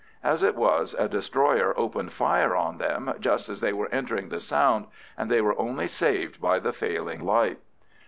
As it was, a destroyer opened fire on them just as they were entering the Sound, and they were only saved by the failing light.